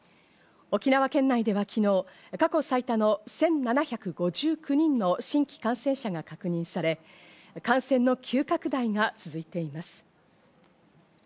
沖縄県内では昨日、過去最多の１７５９人の新規感染者が確認され、感染の急拡大が続いています。